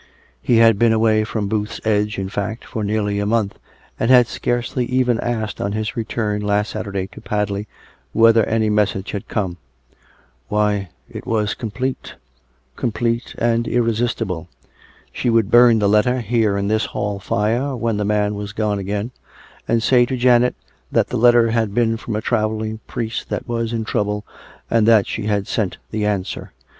He had been away from Booth's Edge, in fact, for nearly a month, and had scarcely even asked on his return last Saturday to Padley, whether any message had come. Why, it was complete — complete and irresist ible! She would burn the letter here in this hall fire when the man was gone again; and say to Janet that the letter had been from a travelling priest that was in trouble, and that she had sent the answer.